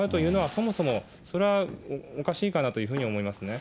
そもそもそれはおかしいかなというふうに思いますね。